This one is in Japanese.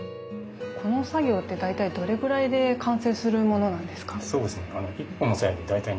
この作業って大体どれぐらいで完成するものなんですか？